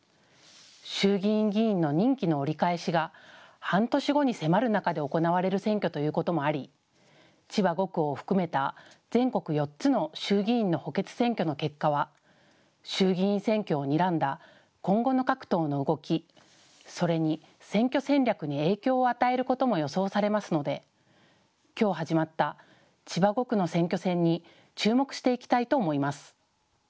衆議院議員の任期の折り返しが半年後に迫る中で行われる選挙ということもあり、千葉５区を含めた全国４つの衆議院の補欠選挙の結果は衆議院選挙をにらんだ今後の各党の動き、それに選挙戦略に影響を与えることも予想されますのできょう始まった千葉５区の選挙戦に注目していきたいと思います。